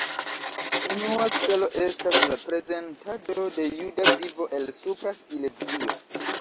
Unua celo estas la prezentado de juda vivo el Supra Silezio.